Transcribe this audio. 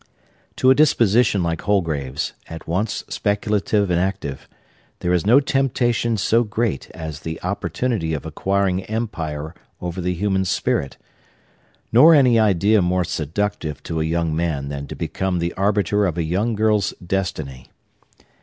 To a disposition like Holgrave's, at once speculative and active, there is no temptation so great as the opportunity of acquiring empire over the human spirit; nor any idea more seductive to a young man than to become the arbiter of a young girl's destiny.